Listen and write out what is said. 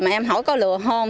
mà em hỏi có lừa không